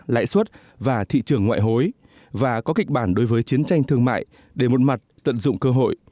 lãi suất và thị trường ngoại hối và có kịch bản đối với chiến tranh thương mại để một mặt tận dụng cơ hội